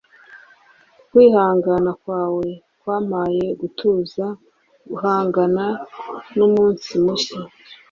kwihangana kwawe kwampaye gutuza guhangana numunsi mushya